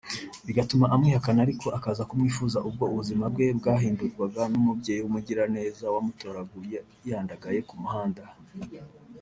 bigatuma amwihakana ariko akaza kumwifuza ubwo ubuzima bwe bwahindurwaga n’umubyeyi w’umugiraneza wamutoraguye yandagaye ku muhanda